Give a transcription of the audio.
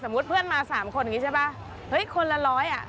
สมมุติเพื่อนมา๓คนอย่างนี้ใช่ป่ะเฮ้ยคนละ๑๐๐อ่ะ